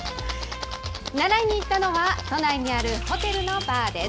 習いに行ったのは、都内にあるホテルのバーです。